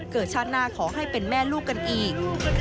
ชาติหน้าขอให้เป็นแม่ลูกกันอีก